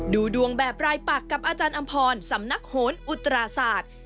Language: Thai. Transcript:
ดูดวงแบบรายปักกับอาจารย์อำพรสำนักโหนอุตราศาสตร์